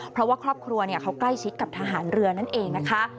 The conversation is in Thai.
เพราะว่าครอบครัวเขาใกล้ชิดกับทหารเรือนั่นเองนะคะ